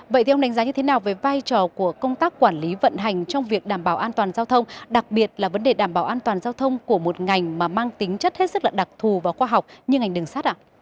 vậy thì ông đánh giá như thế nào về vai trò của công tác quản lý vận hành trong việc đảm bảo an toàn giao thông đặc biệt là vấn đề đảm bảo an toàn giao thông của một ngành mà mang tính chất hết sức là đặc thù và khoa học như ngành đường sắt ạ